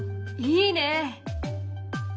いいね！